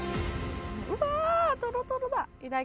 うわあトロトロだ！